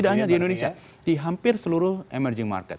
tidak hanya di indonesia di hampir seluruh emerging market